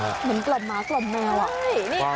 เหมือนกลับมากกลับมาว่ะ